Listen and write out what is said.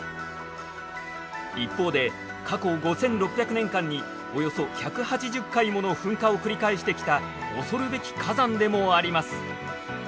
一方で過去５，６００年間におよそ１８０回もの噴火を繰り返してきた恐るべき火山でもあります。